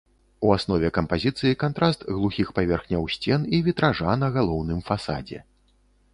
У аснове кампазіцыі кантраст глухіх паверхняў сцен і вітража на галоўным фасадзе.